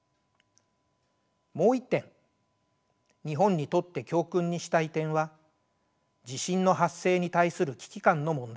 もう一点日本にとって教訓にしたい点は地震の発生に対する危機感の問題です。